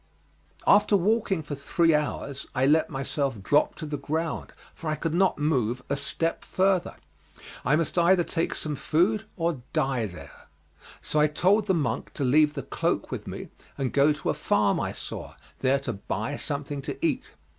After walking for three hours I let myself drop to the ground, for I could not move a step further. I must either take some food or die there, so I told the monk to leave the cloak with me and go to a farm I saw, there to buy something to eat.